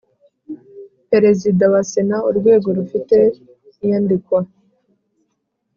Perezida wa Sena urwego rufite iyandikwa